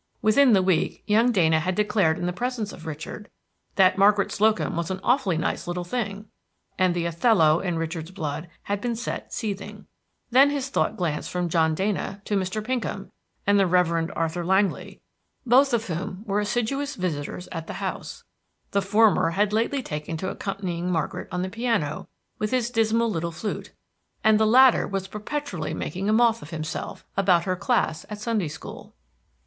Within the week young Dana had declared in the presence of Richard that "Margaret Slocum was an awfully nice little thing," and the Othello in Richard's blood had been set seething. Then his thought glanced from John Dana to Mr. Pinkham and the Rev. Arthur Langly, both of whom were assiduous visitors at the house. The former had lately taken to accompanying Margaret on the piano with his dismal little flute, and the latter was perpetually making a moth of himself about her class at Sunday school.